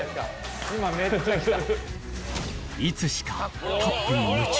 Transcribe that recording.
今めっちゃきた！